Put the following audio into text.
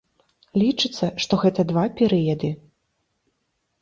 Лічыцца, што гэта два перыяды.